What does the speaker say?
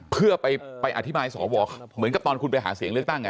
เพื่อไปอธิบายสวเหมือนกับตอนคุณไปหาเสียงเลือกตั้งไง